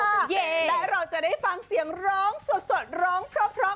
และเราจะได้ฟังเสียงร้องสดร้องเพราะ